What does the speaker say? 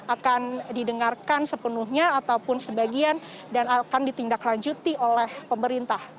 akan didengarkan sepenuhnya ataupun sebagian dan akan ditindaklanjuti oleh pemerintah